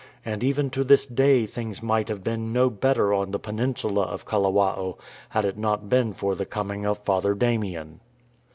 And even to this day things might have been no better on the peninsula of Kalawao, had it not been for the coming of Father Damien.